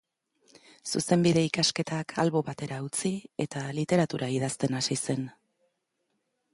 Zuzenbide ikasketak albo batera utzi, eta literatura idazten hasi zen.